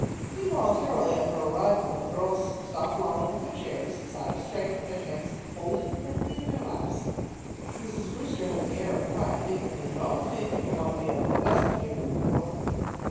Involuntarily on her arrival the girls stopped lolling in their chairs, and sat up straight, with their hands folded primly in their laps. Mrs. Brewster had an air of quiet dignity that always made people want to be on their best behaviour before her.